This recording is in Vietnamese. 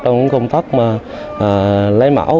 trong công tác lấy mảo